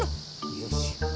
よし。